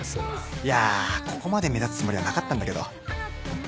いやぁここまで目立つつもりはなかったんだけど。